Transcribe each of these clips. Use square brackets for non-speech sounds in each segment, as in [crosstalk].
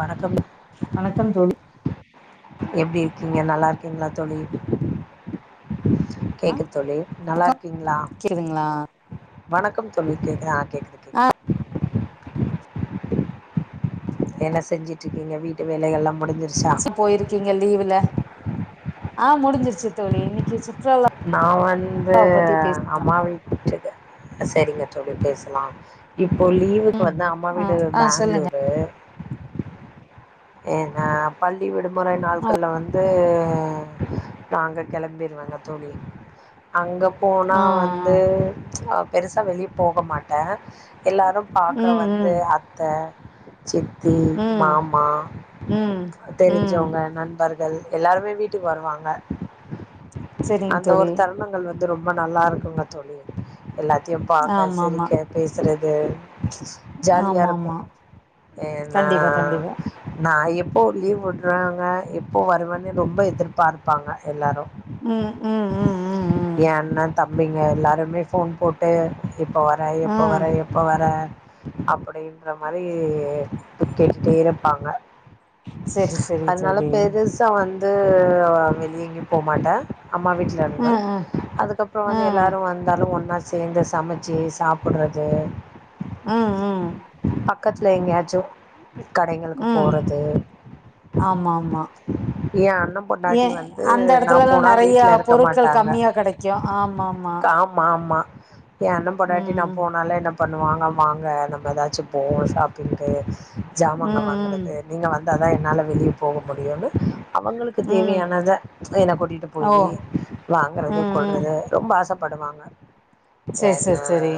வணக்கம் வணக்கம் தோழி எப்டி இருக்கீங்க நல்லா இருக்கீங்களா தோழி ஆ கேக்குது தோழி நல்லாருக்கீங்களா கேக்குதுங்களா வணக்க தோழி கேக்குதா ஆ [inaudible] என்ன செஞ்சிட்ருக்கீங்க வீட்டு வேலையெல்லா முடிஞ்சிரு ச போயிருக்கீங்க லீவ்வுல ஆ முடிஞ்சிருச்சு தோழி இன்னைக்கு சுற்றுலாவ நா வந்து பத்தி பேச அம்மா வீட்டுட்ருக்கே செரிங்க தோழி பேஸ்லாம் இப்போ லீவுக்கு ம் வந்து அம்மா ஆ வீடு ஆ சொல்லுங்க பேங்ளூரு ஏன்ன பள்ளி விடுமுறை ஆ நாட்கள்ல வந்து ஆ நாங்க கெளம்பிருவங்க தோழி அங்க போனா ஆ வந்து அ பெருசா வெளிய் போக மாட்டே எல்லாரு பாக்க ம் வந்து ம் அத்த சித்தி ம் மாமா ம் ம் தெரிஞ்சவங்க நண்ப ர்கள் எல்லாருமே வீட்டுக் வர்வாங்க சரிங்க அந்த ஒரு தோழி தருணங்கள் வந் து ரொம்ப நல்லா இருக்குங்க தோழி எல்லாத்யு பாக்க ஆமா ஆமா சிரிக்க பேசுறது ஆமா ஜாலியாருக்கு ஆமா ஏ நா கண்டிப்பா கண்டிப்பா நா எப்போ லீவ் வுட்றாங்க எப்போ வருவன்னு ரொம்ப எதிர்ப்பார்ப்பாங்க எல்லாரு ம் ம் ம் ம் ம் பீங்க எல்லாருமே ஃபோன் போட்டு எப்பொ வர எப்பொ வர ம் எப்பொவர அப்படீன்ற மாரி கேட்டுட்டே இருப்பாங்க சரி சரி அதனால சரி பெருசா வந்து வெளியெங்யு போமாட்டே அம்மா ம் வீட்லர்ந்த ம் அதுக்கப்றொ வந்து ம் எல்லாரு வந்தாலு ஒன்னா சேந்து சமச்சி சாப்புட்றது ம் ம் பக்கத்ல எங்யாச்சு கடைங்களுக்கு ம் போறது ஆமா ஆமா அண்ணன் ஏ பொண்டாட்டி வந்து அந்த நான் எடத்துலல்லா போனா நெறய வீட்ல பொருட்கள் கம்மியா கெடைக்கு ஆமா காம் ஆம்மா ஏ அண்ண பொண்டாட்டி நா ம் போனாலே என்ன பண்ணுவாங்க வாங்க நம்ப ஏதாச்சு போவோ ஷாப்பிங்கு ஜாமாங்க ம் வாங்கறது நீங்க வந்தாதா என்னால வெளிய போவ முடியுன்னு அவங்களுக்கு ம் ம் தேவையானத என்ன கூட்டிட்டு ஓ போயி வாங்கறது ம் ம் கொல்றது ரொம்ப ஆசப் படுவாங்க சேர் ஏன்னா சேர் சேரி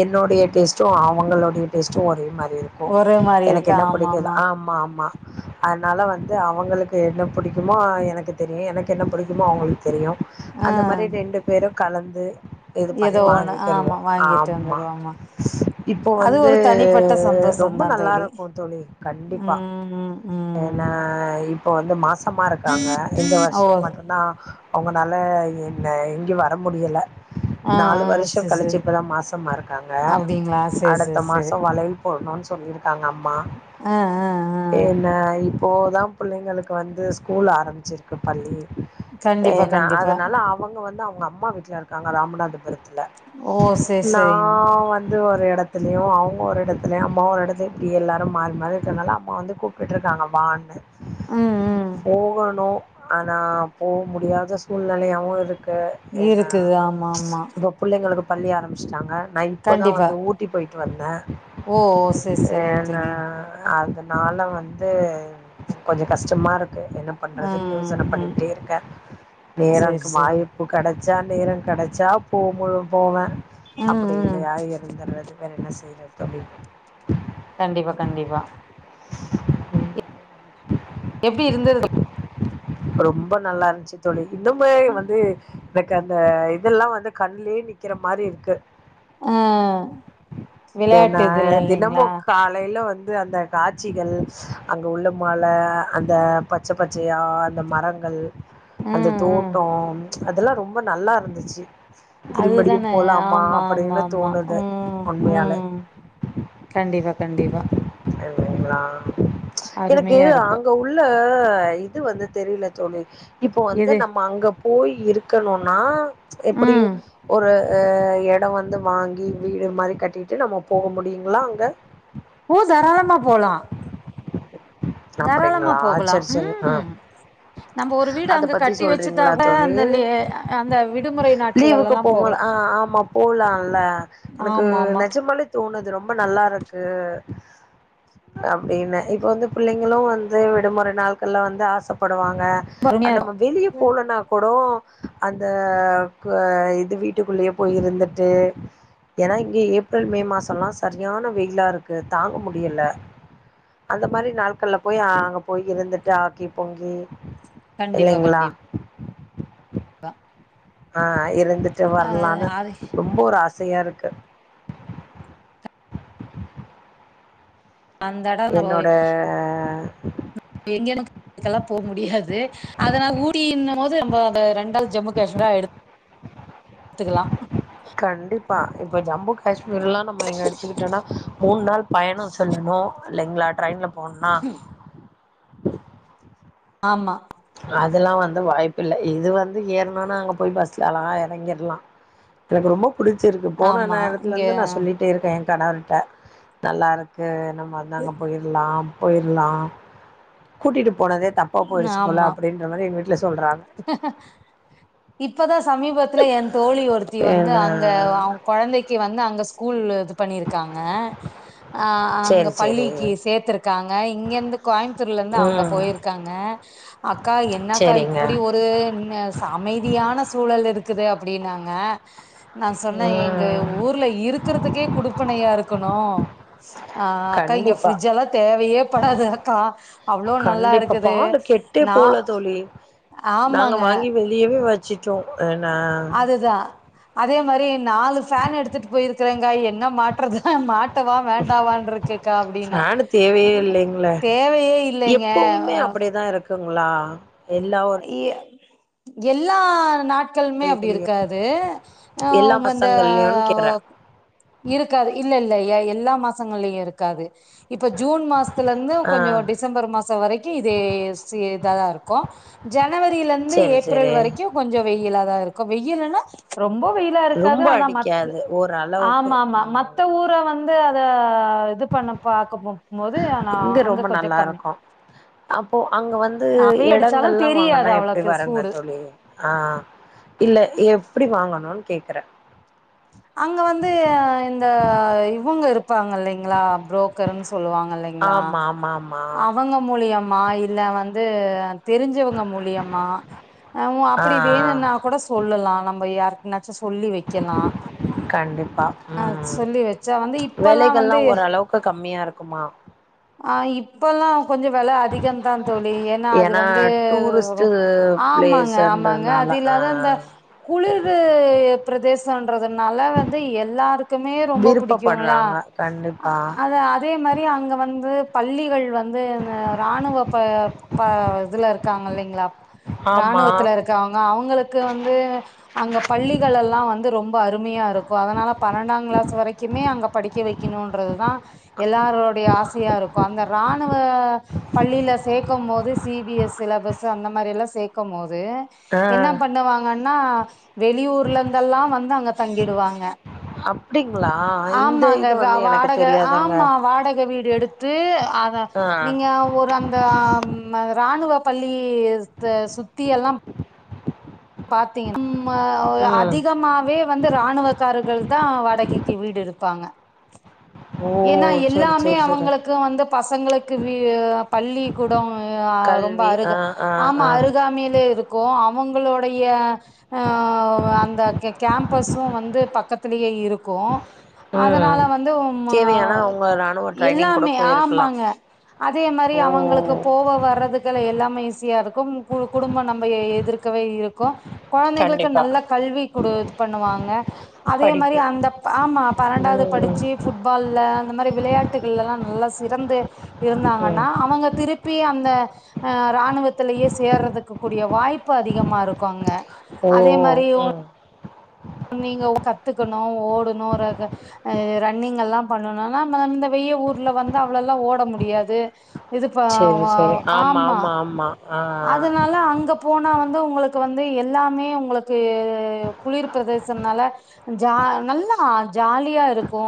என்னோடய டேஸ்ட்டு அவங்களோடைய டேஸ்ட்டு ஒரே மாதிரி இருக்கு ஒரே மாரி இருக்கு எனக்கென்ன புடிக் குது ஆமாமா ஆமா ஆம்மா அதனால வந்து அவங்களுக்கு என்ன புடிக்குமோ எனக்கு தெரியு எனக்கென்ன புடிக்குமோ அவுங்களுக் தெரியு ஆ அந்த மாரி ரெண்டு பேரு கலந்து இது ஏதோ பண்ணி ஒண்ணு வாங்கிக்கிருவோ ஆமா வாங்கிட்டு ஆம்மா வந்துருவோமா இப்ப அது வந்து ஒரு தனிப்பட்ட ரொம்ப சந்தோஷந்தா தோழி நல்லாருக்கு தோழி கண் ண்டிப்பா ம் ம் ம் ஏன்னா இப்பொ வந்து மாஸ் ம்மா இருக்காங்க இந்த ஓ வருஷொ மட்டுந்தா அவ்ங்கனால என்ன எங்யு வர முடியல ஆ நாலு ஆ வருஷொ சேர் கழிச்சு சேர் இப்பதா மாசமாருக்காங்க அப்டிங்களா சேர் அடுத்த சேர் சேரி மாஸொ வலையில் போட்ணுனு சொல்லிருக்காங்க அம்மா ஆ ஆ ஆ என்ன இப்போதா புள்ளிங்களுக்கு வந்து ஸ்கூல் ஆரம்ச்சிருக்கு பள்ளியி கண்டிப்பா என கண்டிப்பா அதனால அவங்க வந்து அவங்க அம்மா வீட்ல இருக்காங்க ராமநாதபுரத் ல ஓ சேர் நா சேரிங்க வந்து ஒரு எடத்துலய அவ்ங் ஒரு எடத் துல அம்மா ஒர் எடத்து இப்டி எல்லாரு மாறி மாறி இருக்காங்கல்ல அம்மா வந்து கூப்டுட்டு இருக்காங் வா ன்னு ம் ம் போகொணு ஆனா போ முடியாத சூழ்நிலையாவு இருக் க்கு ஏன்னா இருக்குது ஆமா ஆமா இப்ப புள்ளைங்களுக்கு பள்ளி ஆரம்பிச்ட்டாங்க நா இப்பதா கண்டிப்பா வந்து ஊட்டி போய்ட்டு வந்தே ஓ செரி ஏ செரிங்க நா தோழி அதனால வந்து கொஞ்ச கஷ்டமா இருக் க்கு என்ன பண்றதுன்னு ம் யோசன ம் பண்ணிகிட்டே இருக்கே செரி நேரம்க்கு செரி வாய்ப்பு கெடச் ச்சா நேரங் கெடச்சா போ முழும் போவே ம் அப்பிடி ம் இல்லியா இருந்துறது வேற என்ன செய்றத் தோழி கண்டிப்பா கண்டிப்பா ம் எப்டி இருந்தது [inaudible] ரொம்ப நல்லாருன்ச்சு தோழி இன்னுமே வந்து எனக்கு அந்த இதெல்லா வந்து கண்லே நிக் குற மாரி இருக்கு ஆ இப்ப நா விளயாட்டு இதுல்லா தினமு இல்லீங்ளா காலையில வந்து அந்த காட்சிகள் அங்கே உள்ள மல அந்த பச்ச பச்சயா அந்த மரங்கள் அந்த ம் ம் தோட்டோ அதெல்லா ரொம்ப நல்லா இருந்துச்சு திரும்படியு அதுதானே போலாமா ஆமா ஆமா அப்படின்னு ஆமா தோணுது ம் உண்மையாலே ம் கண்டிப்பா கண்டிப்பா இல்லீங்ளா எனக்கு அருமையா இருக்கு அங்க உள்ள இது வந்து தெரில தோழி இப்போ வந்து இது நம்ம அங்க போயி இருக்கணுனா எப்டி ம் ஒரு அ எடோ வந்து வாங்கி வீடு மாரி கட்டிட்டு நம்ம போக முடியுங்ளா அங்க ஓ தாராளமா போலா தாராளமா அப்படிங்களா போகலா சரி சரி ஆ ம் நம்ப ஒரு வீடு அத அங்க பத்தி கட்டி சொல்றீங்களா வச்சுட்டாவே தோழி அந்த லீ அந்த விடுமுறை லீவுக்கு நாட்களேல்லா போம்போது போகலா ஆ ஆமா போலால எனக்கு ஆமா ஆமா நெஜமாலே தோணு து ரொம்ப நல்லா இருக்கு அப்டின்னு இப்ப வந்து பிள்ளைங்களூ வந்து விடுமுறை நாட்கள்ல வந்து ஆசப்படுவாங் க அருமையா நம்ம வெளிய இருக்கு போலனா கூடோ அந்த க இது வீட்டுக்குள்ளயே போயிருந்துட்டு ஏனா இங்க ஏப்ரல் மே மாசோல்லா சர்யான வெயிலாருக்கு தாங்க முடியல அந்த மாரி நாட்கள்ல போய் அங்க போய் இருந்துட்டு ஆக்கி பொங்கி கண்டிப்பா இல்லைங்களா கண்டிப் பா ஆ இருந்துட்டு வர்லானு அது ரொம்ப ஒரு ஆ சையா இருக்கு அந்த என்னோட எங்கே [inaudible] போக முடியாது அத நா ஊட்டியின்னு மோது நம்ம அத ரெண்டாள் ஜம்மு காஷ்மீரா எத்துக்லா இப்ப ஜம்மு காஷ்மீர் லா நம்ம எடுத்துக்கிட்டோனா மூணு நாள் பயணம் செல்லணு இல்லைங்ளா ட்ரெயின்ல ஒண்ணா ஆமா அதுலா வந்து வாய்ப்புல்ல இது வந்து ஏறுனோனா அங்க போய் பஸ்ல அழகா எறங்கிர்லா எனக்கு ரொம்பப் பிடிச்சிருக்கு போன ஆமா நேரத்துல இங்க இருந்து நா சொல்லிட்டே இருக்கே எ கணவர்ட்ட நல்லாருக்கு நம்ம ‌வந்து அங்க போயிர்லா போயிர்லா கூட்டிட்டு போனதே தப்பா போயிடுச்சு போல ஆமா அப்டின்ற மாரி எங்க வீட்ல சொ இப்பதா சமீபத் ல ஏ தோழி ஒருத்தி வந்து என்ன அங்க அவ கொழந்தைக்கி வந்து அங்க ஸ்கூல்லு இது பண்ணிருக்காங்க அ அங்க சரி, சரி. பள்ளிக்கி சேத்திருக்காங்க இங்கருந்து கோயமுத்தூர்லருந்து அவங்க ம். போயிருக்காங்க அக்கா என்னாக்கா இ சரிங்க. இப்படி ஒரு ந அமைதியான சூழல் இருக்குது அப்டின்னாங்க நா சொன்னே எங்க ம். ஊர்ல இருக்குறதுக்கே குடுப்பனையா இருக்கணு ஆ அக்கா இங்க கண்டிப்பா. ஃப்ரிட்ஜ் லா தேவையேப்படாது அக்கா அவ்ளோ நல்லா இருக்குது நா போவ்ல தோழி நாங்க ஆமாங்க வாங்கி வெளியவே வச்சிட்டோ ஆனா அதுதான். அதே மாரி நாலு ஃபேன் எடுத்துட்டு போயிருக்கறாங்க எங்க மாட்டுறது மாட்டவா வேண்டாவான்ருக்கு க்கா அப்டின்னா ஃபேனு தேவையே இல்லைங்களே தேவையே இல்லேங்க அ குங்ளா ஏ எல்லா நாட் க்கள்மே அப்டி இதுலயு இருக்காது ஆ எல்லா அந்த பசங்கள்லயுனு அ கேக்குறே இருக்காது இல்ல இல்ல ஐயா எல்லா மாசங்கள்லயு இருக்காது இப்ப ஜூன் மாஷ்த்துல இருந்து ஆ கொஞ்ஜோ டிசம்பர் மாச வரைக்கு இதே செ இதாதாருக்கு ஜனவரியில இந்து செரி ஏப்ரல் செரி வரைக்கு கொஞ்ஜோ வெயில தா இருக்கு வெயில்ன்னா ரொம் ம்போ வெயிலா இருக்காது ரொம்ப ஆனா மத்து அடிக்காது ஓரளவுக்கு ஆமா ஆமா ம் மத்த ஊர வந்து அத இது பண்ண பாக்கமும் போது ஆனா இங்க அங்க ரொம்ப கொஞ்சம் நல்லா கம்மி இருக்கு அப்போ அங்க வந்து ஆ வெயில் அடிச்சாலு எடங்கள் னா தெரியாது வாங்கனா எப்டி அவ்ளோக்கு சூடு வறங்க தோழி ஆ இல்ல எப் படி வாங்ணுன்னு கேக்கற அங்க வந்து அ இந்த இவுங்க இருப்பாங்க இல்லைங்ளா புரோக்கர்னு சொல்லுவாங்க இல்லைங்ளா ஆமா ஆமா ஆமா அவங்க மூலியமா இல்ல வந்து தெரிஞ்சவங்க மூலியமா அ உ ஆ அப்டி ஆ வேணுன்னா கூட சொல்லலா நம்ப யாருக்னா சொல்லி வெக்கலா கண்டிப்பா ம் வச்சா வந்து இப்பல்லா வேலைகள்லா வந்து ஓரளவுக்கு கம்மியா இருக்குமா ஆ இப்பல்லா கொஞ்ஜோ வெல அதிகந்தா தோழி ஏனா அது ஏன்னா வந்து ரொ டூரிஸ்ட்டு ஆமாங்க ஆமாங்க அது பிளேஸ்ன்றனால ஆ இல்லாத அந்த குளிரு ப்ரதேச ண்றதுனால வந்து எல்லாருக்குமே ரொம்ப புடிக்குங்ளா விருப்பப்படுறாங்க அ கண்டிப்பா அத அதே மாரி அங்க வந் து பள்ளிகள் வந்து இந்த ராணுவ ப ப இதுல இருக்காங்க இல்லைங்ளா ஆமா ராணுவத்துல இருக்காங்க அவங்ளுக்கு வந்து அங்க பள்ளிகள்லெல்லா வந்து ரொம் அருமையா இருக்கு அதனால பனெண்டா க்ளாஸ் வரைக்குமே அங்க படிக்க வைக்கணுன்றது தா எல்லாரருடைய ஆச இருக்கு அந்த ராணுவெஅ பள்ளிலெ சேக்கும் போது சி பி எஸ் சிலபஸ் அந்த மாரில்லா சேக்கும் போ து ஆ என்னா பண்ணுவாங்கனா வெளியூர்லந்தெல்லா வந்து அங்க தங்கிடுவாங்க அப் ஆமாங்க வ வாடக தெரியாதுங்க ஆமா வாடக வீடு எடுத் த்து அத ஆ நீங்க ஒரு அந்த அம் ராணுவ பள்ளி த் அ சுத்தி எல்லாம் பாத்திங் ம் மா ம் அதிகமாவே வந்து இராணுவக்காரர்கள் தா வாடகைக்கு வீடு எடு ப்பாங்க ஓ ஏன்னா செரி எல்லாமே செரி செரி அவங்ளுக்கு வந்து பசங்களுக்கு வி பள்ளிக்கூட அ ரொம் கல்வி அருக ஆ ஆ ஆமா ஆ அருகாமியிலே இருக்கு அ ங்களுடைய அவ் அந்த கெ கேம்பஷ்சு வந்து பக்கத்துலேயே இருக்கு ம் அதனால வந்து உம் அ தேவையானா அவங்க ராணுவ ட்ரைனிங் கூட எல்லாமே போயிருக்கலா ஆமாங்க அதே மாரி ஓ அவங்ளுக்கு போவ வர்றதுக்குல எல்லாமே ஈஸியா இருக்கும் கு குடும்பம் நம்ப எ எதிர் க்கவே இருக்கு கொழந்தைகளுக்கு கண்டிப்பா நல்ல கல்வி குடுத் இது பண்ணுவாங்க அதே மாரி படிப்பு அந்த ஆமா பனெண்டாது ம் படிச்சு புட்பால்ல அந்த மாரி விளையாட்டுகள்லெல்லா நல்லா சி றந்து ம் இருந்தாங்கனா அவங்க திருப்பி அந்த ஆ ராணுவத்திலேயே சேர்றதுக்கு கூடிய வாய்ப்பு அதிகமா இருக்கு அங்க ஓ ம் நீங்க கத்துக்குணு ஓடணு ரக ரன்னிங்கெல்லா பண்ணனும்னா இந்த வெ ளிய ஊர்ல வந்து அவ்ளோல்லா ஓட முடியாது இதுப்ப ப செரி செரி அவ் ஆமா ஆமா ஆ அதனால அங்க போனா வந்து உங்ளுக்கு வந்து எல்லாமே உங்ளுக்குஉ குளிர் ப்ரெதேசம்னால ஜா நல்லா ஜாலியா இருக்கு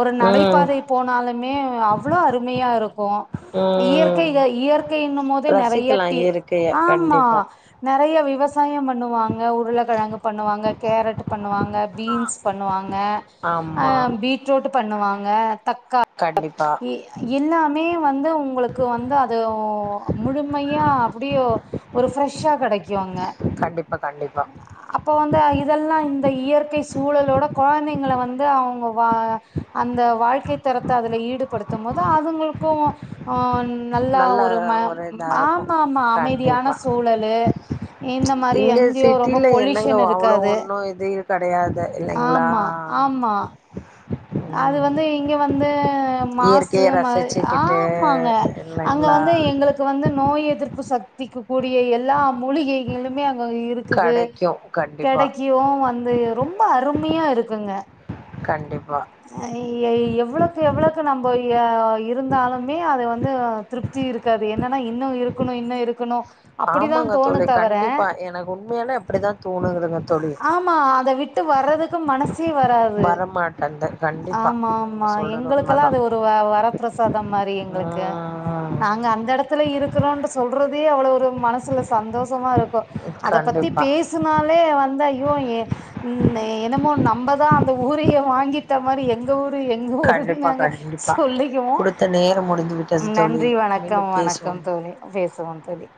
ஒரு ம் நடைபாதை போனாலுமே அவ்வளோ அருமையா இருக்கு இயற்கை ம் இயற்கை என்னும் போதே ரசிக்கலா நெறையட்டி இயற்கைய ஆம்மா கண்டிப்பா நறைய விவசாயம் பண்ணுவாங்க உருளக்கெழங்கு பண்ணுவாங்க கேரட்டு பண்ணுவாங்க பீன்ஸ் பண்ணுவாங்க ங்க ஆமா ஆ பீட்ரோட் பண்ணுவாங்க தக் கண்டிப் எ எல்லாமே வந்து உங்களுக்கு வந்து அது முழுமையா யோ ஒரு ஃப்ரெஷ்ஷா கெடைக்கு க்கு அங்க கண்டிப்பா கண்டிப்பா அப்ப வந்து இதெல்லா இந்த இயற்கை சு சூழலோட கொழந்தைங்க வந்து அவங்க வ அந்த வாழ்க்கை தரத்தை அதல ஈடுபடுத்தும்போது அதுங்களுக்கு ஆன் நல்லா நல்ல ஒரு இதா இருக்கு ஆம் ஆமா அமைதியான கண்டிப்பா சூழலு இந்த மாரி இங்க எங்கேயோ ரொம்ப சிட்டில என்னங்க பொல்யூஷன் அவ்ளோ இருக்காது ஒன்னு இது கெடையாது இல்லைங்களா ஆமா ஆம்மா அது ம் வந்து இங்க வந்து மாசு இயற்கைய மா ரசிச்சுக்கிட்டு ஆமாங்க அங்க இல்லைங்களா வந்து எங்களுக்கு வந்து நோய் எதிர்ப்பு சக்திக்கு கூடிய எல்லா மூலிகைகளுமே அங்க இருக்குது கெடைக்கு கண்டிப்பா கெடைக்கு வந்து ரொம்ப அருமையா இருக்குங்க கண்டிப்பா அய் எவ்ளோவுக்கு எவ்ளோவுக்கு நம்ம அ இருந்தாலுமே அது வந்து திருப்தி இருக்காது என்னன் ஆன இன்னோ இருக்கணு இன்னோ இருக்கணு அப்டிதா ஆமாங்க தோணு தோழி. தவர கண்டிப்பா. எனக்கு உண்மையாலே அப்படிதான் தோணுதுங்க தோழி. ஆமா அத விட்டு வர்றதுக்கு மனசு வரமாட்டந்து ஆமா ஆமா எங்களுக்கெல்லா அது ஒரு வ வர பிரசாதம் மாரி எங்களுக்கு ம். நாங்க அந்த எடத்துல இருக் கிறேண்டு சொல்றதே அவ்ளோ ஒரு மனசுல சந்தோஷமா இருக்கு அத பத்தி கண்டிப்பா. பேசனாலே வந்து அய் [inaudible] ம் என்னமோ நம்பதா அந்த ஊரயே வாங்கிட்ட மாரி எங்க ஊர் எங்க ஊரு கண்டிப்பா, நாங்க கண்டிப்பா. சொல்லக்கிவோ குடுத்த நேரம் முடிந்து விட்டது தோழி. நன்றி வணக்கம் மீண்டும் பேசுவோம். வணக்கம் தோழி பேசுவோ தோழி